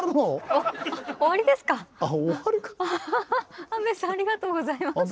ありがとうございます。